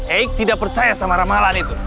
aku tidak percaya dengan ramadhan itu